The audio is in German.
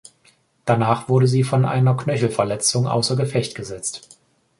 Danach wurde sie von einer Knöchelverletzung außer Gefecht gesetzt.